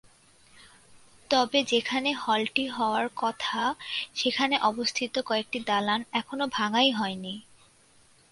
তবে যেখানে হলটি হওয়ার কথা সেখানে অবস্থিত কয়েকটি দালান এখনো ভাঙাই হয়নি।